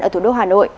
ở thủ đô hà nội